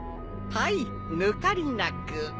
はい抜かりなく。